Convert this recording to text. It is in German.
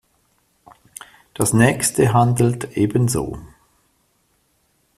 Das nächste handelt ebenso.